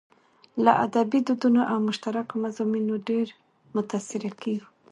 له ادبي دودونو او مشترکو مضامينو ډېر متاثره کېږو.